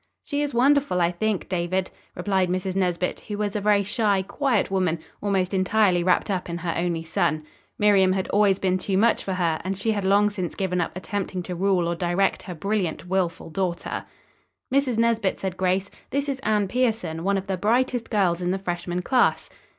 "She is wonderful, I think, David," replied Mrs. Nesbit, who was a very shy, quiet woman, almost entirely wrapped up in her only son. Miriam had always been too much for her, and she had long since given up attempting to rule or direct her brilliant, willful daughter. "Mrs. Nesbit," said Grace, "this is Anne Pierson, one of the brightest girls in the freshman class."